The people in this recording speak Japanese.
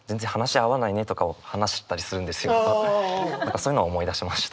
そういうのを思い出しました。